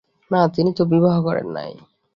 না, তিনি তো বিবাহ করেন নাই।